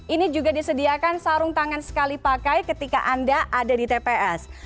ini juga disediakan sarung tangan sekali pakai ketika anda ada di tps